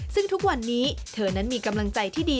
ซึ่งทุกวันนี้เธอนั้นมีกำลังใจที่ดี